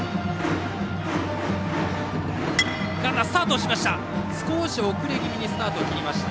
ランナースタートしていました。